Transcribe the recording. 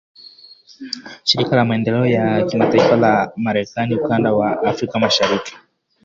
Shirika la Maendeleo ya Kimataifa la Marekani Ukanda wa Afrika Mashariki